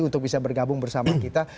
untuk bisa bergabung bersama kita